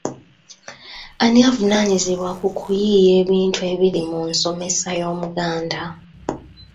Ani avunaanyizibwa ku kuyiiya ebintu ebiri mu nsomesa Y’Omuganda?